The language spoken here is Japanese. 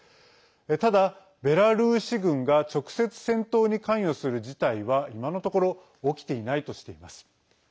ただベラルーシ軍が直接、戦闘に関与する事態は今のところ起きていないとしています。